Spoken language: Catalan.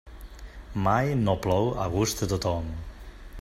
Mai no plou a gust de tothom.